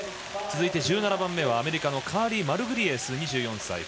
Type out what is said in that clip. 続いて１７番目はアメリカのカーリー・マルグリエス２４歳。